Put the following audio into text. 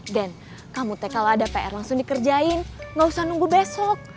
dan kamu teh kalau ada pr langsung dikerjain gak usah nunggu besok